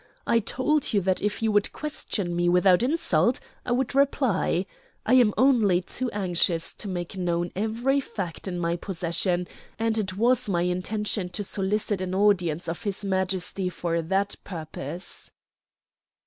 I told you that if you would question me without insult I would reply. I am only too anxious to make known every fact in my possession, and it was my intention to solicit an audience of his Majesty for that purpose."